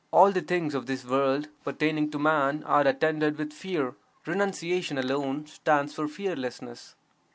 All the things of this world pertaining to man are attended with fear; renunciation alone stands for fearlessness.